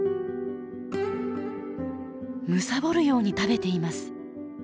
むさぼるように食べています。